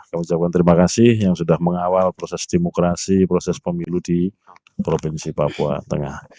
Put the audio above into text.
kami ucapkan terima kasih yang sudah mengawal proses demokrasi proses pemilu di provinsi papua tengah